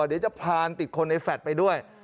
เดี๋ยวจะพลานติดคนในแฟลตไปด้วย